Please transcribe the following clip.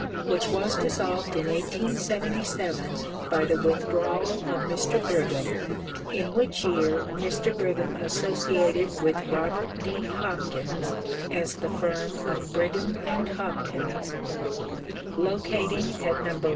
which was dissolved in 1877 by the withdrawal of Mr. Brigham, in which year Mr. Brigham associated with Robert D. Hopkins as the firm of Brigham & Hopkins, locating at No.